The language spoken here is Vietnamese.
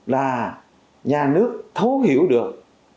là nhà nước thấu hiểu được